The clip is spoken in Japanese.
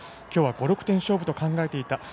きょうは５、６点勝負と考えていた。